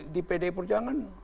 di pd perjuangan